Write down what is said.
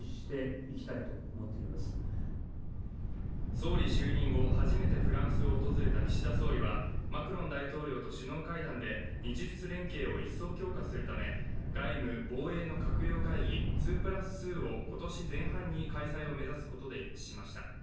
総理就任後初めてフランスを訪れた岸田総理はマクロン大統領と首脳会談で日仏連携を一層強化するため外務・防衛の閣僚会議、２＋２を今年前半に開催を目指すことで一致しました。